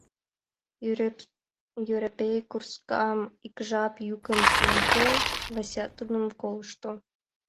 Йӧрепей курскам, ик жап йӱкым пуыде, Васятиным колышто.